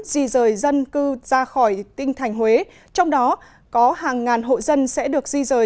di rời dân cư ra khỏi tinh thành huế trong đó có hàng ngàn hộ dân sẽ được di rời